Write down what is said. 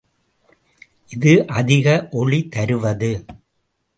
இது அதிக ஒளி தருவது.